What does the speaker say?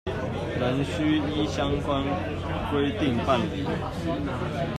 仍須依相關規定辦理